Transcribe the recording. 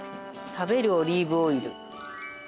食べるオリーブオイル。